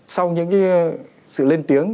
sau những cái sự lên tiếng